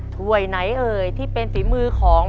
ถ้วยไหนเอ่ยที่เป็นฝีมือของ